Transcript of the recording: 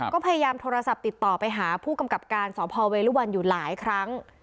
ก็พยายามโทรศัพท์ติดต่อไปหาผู้กำกับการสพเวรุวันอยู่หลายครั้ง